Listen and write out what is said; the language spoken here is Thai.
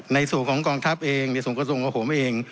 ในส่วนของกองทัพเองในส่วนกระทรวงกระโหมเอง